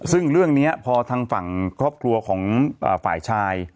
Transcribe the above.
ซึ่งเรื่องนี้พอทางฝั่งครอบครัวของฝ่ายชาย